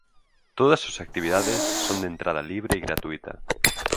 Todas sus actividades son de entrada libre y gratuita.